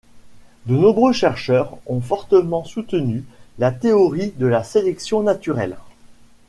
De nombreux chercheurs ont fortement soutenu la théorie de la sélection naturelle.